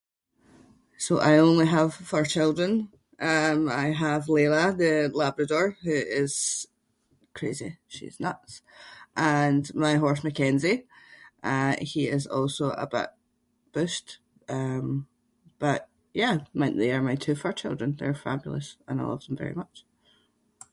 So I only have fur children. Um I have Leila the labrador who is crazy – she’s nuts. And my horse, McKenzie. Uh he is also a bit bushed. Um but yeah my- they are my two fur children. They’re fabulous and I love them very much.